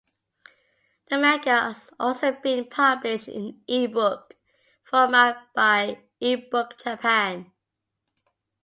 The manga has also been published in ebook format by ebookjapan.